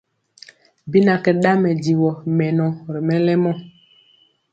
Bi na kɛ ɗaŋ mɛdivɔ mɛnɔ ri mɛlɛmɔ.